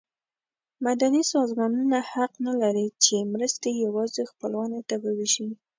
مدني سازمانونه حق نه لري چې مرستې یوازې خپلوانو ته وویشي.